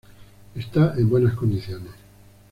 Está en buenas condiciones.